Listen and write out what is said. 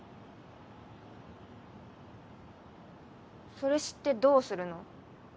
それ知ってどうするの？